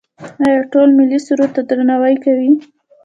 آیا ټول ملي سرود ته درناوی کوي؟